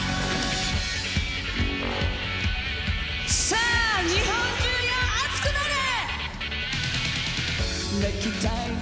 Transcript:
さあ日本中よ熱くなれ！